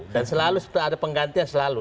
dan selalu ada penggantian selalu